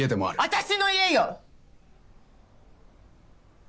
私の家よ！